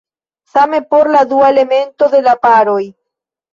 Same por la dua elemento de la paroj.